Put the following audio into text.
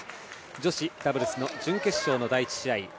女子ダブルスの準決勝の第１試合。